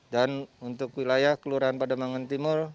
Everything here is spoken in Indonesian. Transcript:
untuk wilayah kelurahan pademangan timur